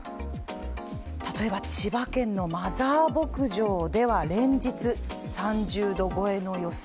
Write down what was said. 例えば千葉県のマザー牧場では連日３０度超えの予想。